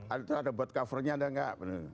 ada buat covernya ada nggak bener